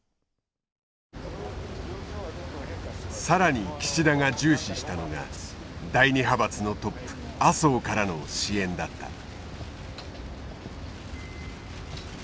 更に岸田が重視したのが第二派閥のトップ麻生からの支援だった。